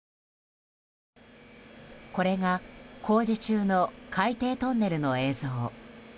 これが工事中の海底トンネルの映像。